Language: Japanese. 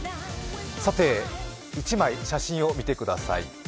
さて、１枚、写真を見てください。